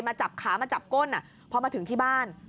จับขามาจับก้นพอมาถึงที่บ้าน